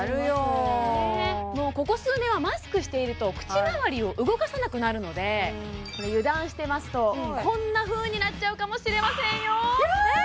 ここ数年はマスクしていると口まわりを動かさなくなるのでこれ油断してますとこんなふうになっちゃうかもしれませんよや！